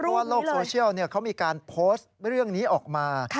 เพราะว่าโลกโซเชียลเขามีการโพสต์เรื่องนี้ออกมา